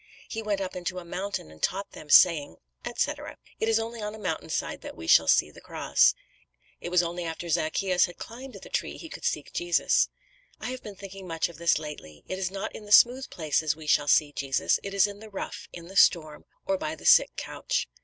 "He went up into a mountain and taught them, saying," etc. "It is only on a mountain side that we shall see the cross. It was only after Zacchæus had climbed the tree he could see Jesus. I have been thinking much of this lately. It is not in the smooth places we shall see Jesus, it is in the rough, in the storm, or by the sick couch."